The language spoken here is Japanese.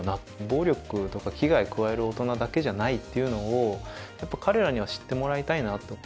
暴力とか危害加える大人だけじゃないっていうのをやっぱ彼らには知ってもらいたいなと。